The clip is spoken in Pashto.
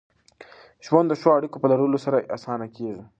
ژوند د ښو اړیکو په لرلو سره اسانه کېږي.